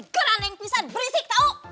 gara ngan yang bisa berisik tau